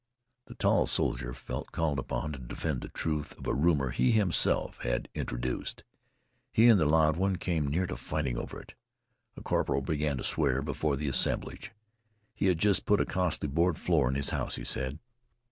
The tall soldier felt called upon to defend the truth of a rumor he himself had introduced. He and the loud one came near to fighting over it. A corporal began to swear before the assemblage. He had just put a costly board floor in his house, he said.